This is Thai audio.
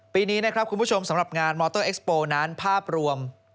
ปีนี้นะครับคุณผู้ชมสำหรับงานมอเตอร์เอ็กซ์โปร์นั้นภาพรวม